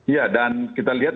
iya dan kita lihat